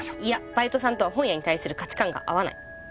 バイトさんとは本屋に対する価値観が合わない。